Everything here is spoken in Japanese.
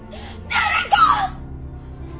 誰か！